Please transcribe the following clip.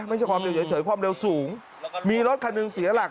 ไม่ใช่ความเร็วเฉยความเร็วสูงมีรถคันหนึ่งเสียหลัก